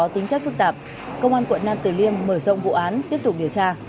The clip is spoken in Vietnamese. tính chất phức tạp công an quận nam tử liêm mở rộng vụ án tiếp tục điều tra